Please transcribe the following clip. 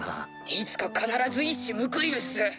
いつか必ず一矢報いるっす。